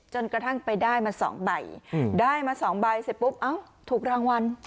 จนกระทั่งไปได้มา๒ใบได้มา๒ใบเสร็จปุ๊บเอ้าถูกรางวัล